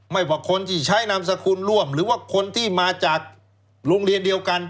ว่าคนที่ใช้นามสกุลร่วมหรือว่าคนที่มาจากโรงเรียนเดียวกัน